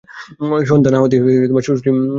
সন্ধা না হতেই সুড়সুড়ি শুরু হয়ে যায়!